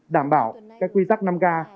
đảm bảo các quy tắc năm k